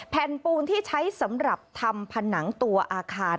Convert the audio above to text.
แผ่นปูนที่ใช้สำหรับทำผนังตัวอาคาร